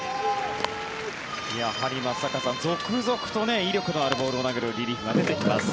やはり松坂さん、続々と威力のあるボールを投げるリリーフが出てきます。